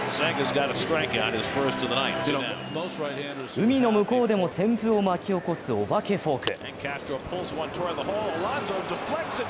海の向こうでも旋風を巻き起こすお化けフォーク。